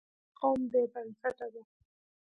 بې تاریخه قوم بې بنسټه دی.